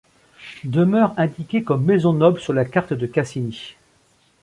Demeure indiquée comme maison noble sur la carte de Cassini.